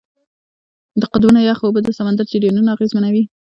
د قطبونو یخ اوبه د سمندر جریانونه اغېزمنوي.